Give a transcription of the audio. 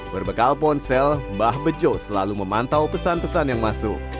berbekal ponsel mbah bejo selalu memantau pesan pesan yang masuk